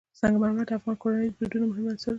سنگ مرمر د افغان کورنیو د دودونو مهم عنصر دی.